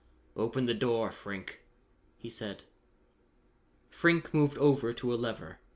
"Open the door, Frink," he said. Frink moved over to a lever.